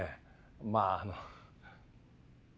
まああの。